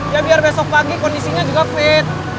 ya biar besok pagi kondisinya juga fit